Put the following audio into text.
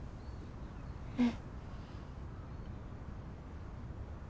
うん。